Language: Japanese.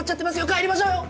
帰りましょうよ！